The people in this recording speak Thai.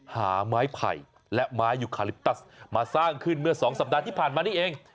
หาไม้ไผ่และไม้ยุคาลิปตัสมาสร้างขึ้นเมื่อ๒สัปดาห์ที่ผ่านมานี่เอง